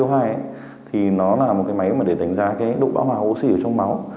thì nó là một máy để đánh giá độ bão hòa oxy trong máu